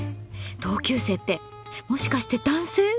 同級生ってもしかして男性？